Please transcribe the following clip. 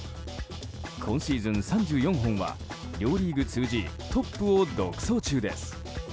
今シーズン３４本は両リーグ通じトップを独走中です。